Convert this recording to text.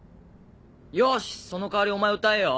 よしその代わりお前歌えよ。